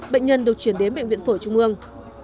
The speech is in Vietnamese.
bệnh nhân được chuyển đến bệnh viện phổi trung ương